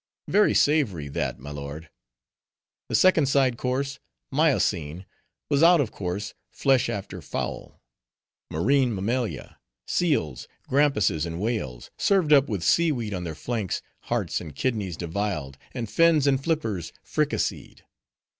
Very savory, that, my lord. The second side course—miocene—was out of course, flesh after fowl: marine mammalia,—seals, grampuses, and whales, served up with sea weed on their flanks, hearts and kidneys deviled, and fins and flippers friccasied.